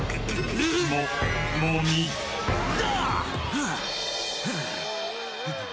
はあはあ。